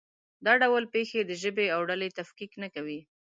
دا ډول پېښې د ژبې او ډلې تفکیک نه کوي.